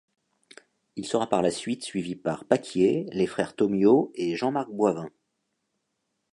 Il sera par la suite suivi par Paquier, les frères Tomio et Jean-Marc Boivin.